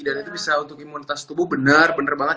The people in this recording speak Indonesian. dan itu bisa untuk imunitas tubuh benar benar banget